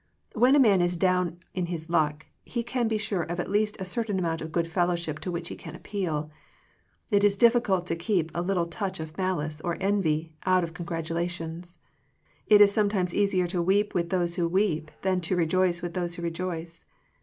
When a man is down in his luck, he can be sure of at least a certain amount of good fellowship to which he can appeal. It is difficult to keep a little touch of malice, or envy, out of congratulations. It is sometimes easier to weep with those who weep, than to rejoice with those who rejoice.